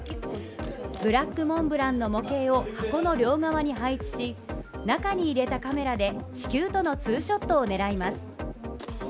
ブラックモンブランの模型を箱の両側に配置し中に入れたカメラで地球とのツーショットを狙います。